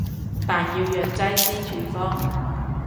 但要藥劑師處方